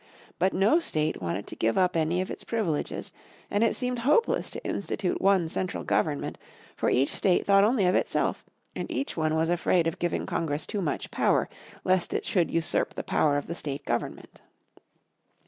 But no state wanted to give up any of its privileges, and it seemed hopeless to institute one Central Government, for each state thought only of itself, and each one was afraid of giving Congress too much power lest it should usurp the power of the state government.